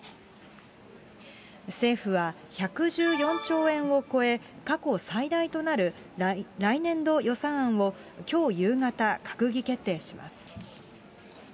政府は、１１４兆円を超え、過去最大となる来年度予算案を、きょう夕方、閣議決定します。